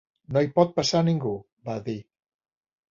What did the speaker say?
"No hi pot passar ningú", va dir.